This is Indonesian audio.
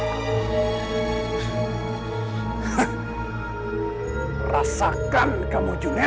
anda tidak akan hitung diri anda